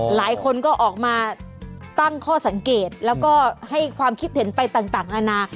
หลายคนก็ออกมาตั้งข้อสังเกตแล้วก็ให้ความคิดเห็นไปต่างนานา